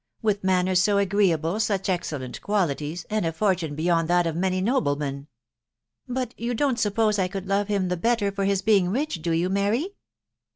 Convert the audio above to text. with manners so agreeable, such excellent qualities, anti a fortune beyomd that of Htany aohlcmcBw" " But you don't suppose I could lore him. the better for his being rich, do yon, Mary?